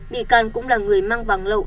bị can cũng là người mang vàng lậu